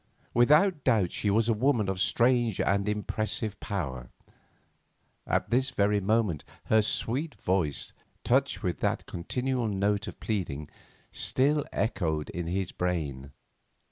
Without doubt she was a woman of strange and impressive power. At this very moment her sweet voice, touched with that continual note of pleading, still echoed in his brain.